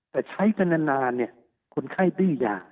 แต่ใช้กันนานคนไข้ดื้อยา